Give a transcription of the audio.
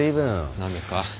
何ですか？